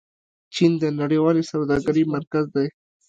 چین د نړیوالې سوداګرۍ مرکز دی.